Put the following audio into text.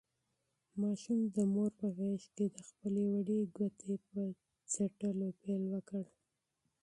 ماشوم د مور په غېږ کې د خپلې وړې ګوتې په څټلو پیل وکړ.